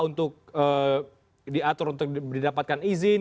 untuk diatur untuk didapatkan izin